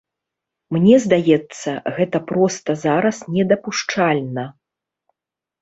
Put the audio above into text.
Мне здаецца, гэта проста зараз недапушчальна!